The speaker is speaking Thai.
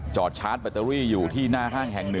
ชาร์จแบตเตอรี่อยู่ที่หน้าห้างแห่ง๑